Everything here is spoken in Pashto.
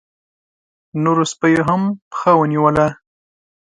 نورو سپيو هم پښه ونيوله.